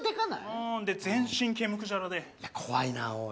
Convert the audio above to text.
うんで全身毛むくじゃらで怖いなおい